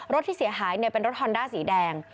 รถที่เสียหายเป็นรถฮอนด้าสีแดง